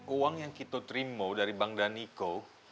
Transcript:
uang yang kita terima dari bang daniko